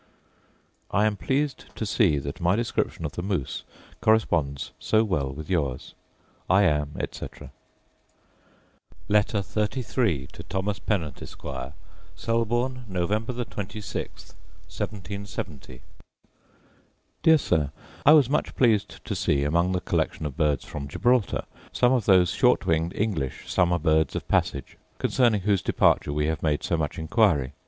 I am pleased to see that my description of the moose corresponds so well with yours. I am, etc. Letter XXXIII To Thomas Pennant, Esquire Selborne, Nov. 26, 1770. Dear Sir, I was much pleased to see, among the collection of birds from Gibraltar, some of those short winged English summer birds of passage, concerning whose departure we have made so much inquiry.